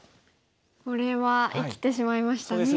これは生きてしまいましたね。